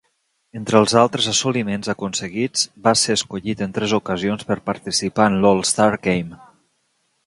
Entre els altres assoliments aconseguits, va ser escollit en tres ocasions per participar en l'All-Star Game.